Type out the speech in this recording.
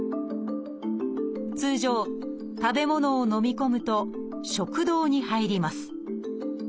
通常食べ物をのみ込むと食道に入ります